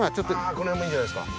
この辺もいいんじゃないですか。